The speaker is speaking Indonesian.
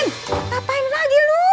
ngapain lagi lu